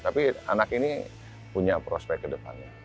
tapi anak ini punya prospek kedepannya